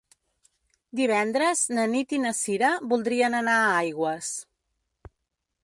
Divendres na Nit i na Cira voldrien anar a Aigües.